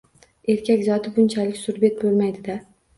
Erkak zoti bunchalik surbet bo‘lmaydi-da!